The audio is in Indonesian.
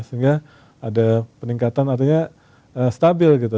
sehingga ada peningkatan artinya stabil gitu